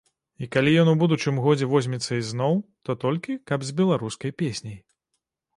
І калі ён у будучым годзе возьмецца ізноў, то толькі каб з беларускай песняй.